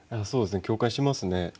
そうですね共感しますね。